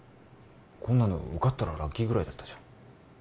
こんなの受かったらラッキーぐらいだったじゃん